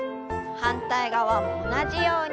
反対側も同じように。